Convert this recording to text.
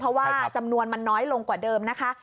เพราะว่าจำนวนมันน้อยลงกว่าเดิมนะคะ